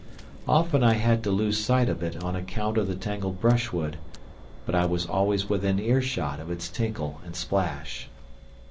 Often I had to lose sight of it on account of the tangled brush wood, but I was always within earshot of its tinkle and splash.